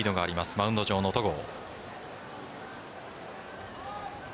マウンド上の戸郷。